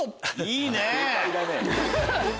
いいね！